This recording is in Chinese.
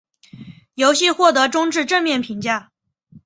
游戏获得中至正面评价。